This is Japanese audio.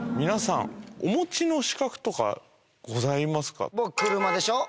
皆さんお持ちの資格とかございますか？